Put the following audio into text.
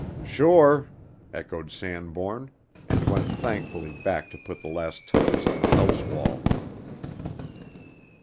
"Sure," echoed Sanbourne, and went thankfully back to put the last touches on the house wall.